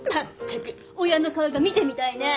全く親の顔が見てみたいね。